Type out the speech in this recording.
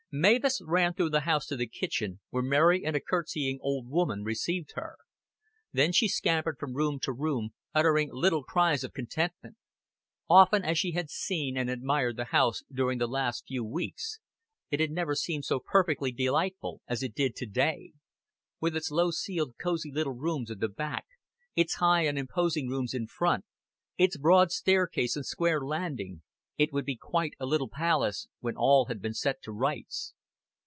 Mavis ran through the house to the kitchen, where Mary and a courtesying old woman received her. Then she scampered from room to room, uttering little cries of contentment. Often as she had seen and admired the house during the last few weeks, it had never seemed so perfectly delightful as it did to day: with its low ceiled cozy little rooms at the back, its high and imposing rooms in front, its broad staircase and square landing, it would be quite a little palace when all had been set to rights.